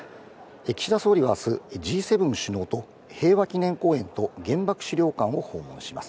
岸田総理はあすＧ７首脳と平和記念公園と原爆資料館を訪問します。